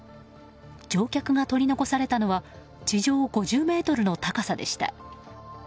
乗客が取り残されたのは地上５０ｍの高さでした。